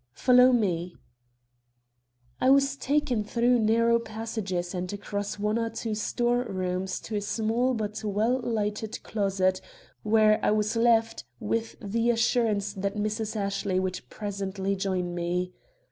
"Follow me." I was taken through narrow passages and across one or two store rooms to a small but well lighted closet, where I was left, with the assurance that Mrs. Ashley would presently join me.